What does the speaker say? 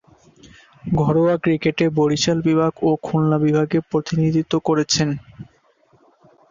ঘরোয়া ক্রিকেটে বরিশাল বিভাগ ও খুলনা বিভাগে প্রতিনিধিত্ব করছেন।